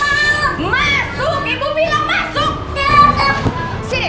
masuk ibu bilang masuk